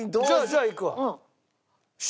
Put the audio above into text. じゃあいくわ。